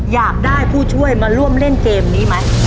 อยากได้ผู้ช่วยมาร่วมเล่นเกมนี้ไหม